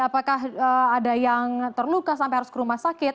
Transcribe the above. apakah ada yang terluka sampai harus ke rumah sakit